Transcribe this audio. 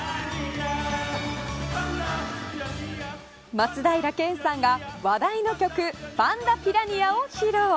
松平健さんが話題の曲パンダピラニアを披露。